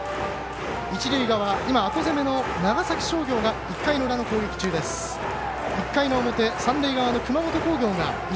一塁側、後攻めの長崎商業が１回の裏の攻撃中です。